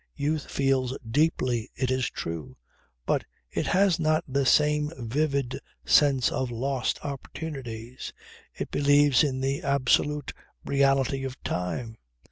Youth feels deeply it is true, but it has not the same vivid sense of lost opportunities. It believes in the absolute reality of time.